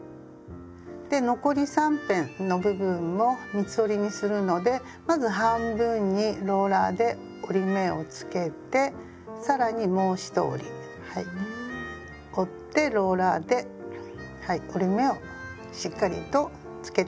で残り三辺の部分も三つ折りにするのでまず半分にローラーで折り目をつけて更にもう一折り折ってローラーで折り目をしっかりとつけてゆきます。